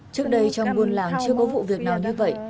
trước đây trong buôn làng chưa có vụ việc nào như vậy